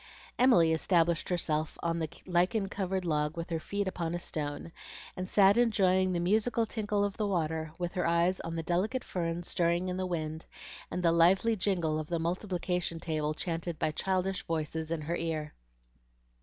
Emily established herself on the lichen covered log with her feet upon a stone, and sat enjoying the musical tinkle of the water, with her eyes on the delicate ferns stirring in the wind, and the lively jingle of the multiplication table chanted by childish voices in her ear.